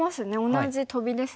同じトビですね。